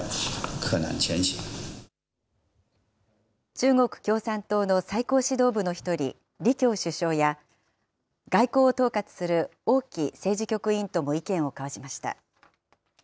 中国共産党の最高指導部の１人、李強首相や、外交を統括する王毅政治局委員とも意見を交わしました。